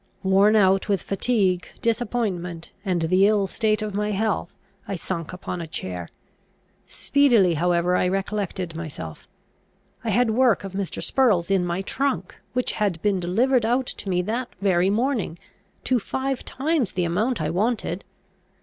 Worn out with fatigue, disappointment, and the ill state of my health, I sunk upon a chair. Speedily however I recollected myself. I had work of Mr. Spurrel's in my trunk, which had been delivered out to me that very morning, to five times the amount I wanted.